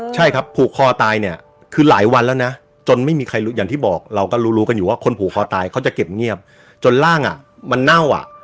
ใช่ครับผูกคอตายเนี่ยคือหลายวันแล้วนะจนไม่มีใครรู้อย่างที่บอกเราก็รู้รู้กันอยู่ว่าคนผูกคอตายเขาจะเก็บเงียบจนร่างอ่ะมันเน่าอ่ะ